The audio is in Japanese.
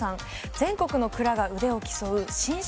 全国の蔵が腕を競う新酒